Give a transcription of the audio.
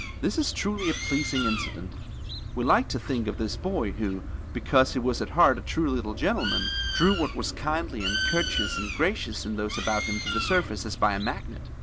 This is truly a pleasing incident. We like to think of this boy who, because he was at heart a true little gentleman, drew what was kindly and courteous and gracious in those about him to the surface as by a magnet.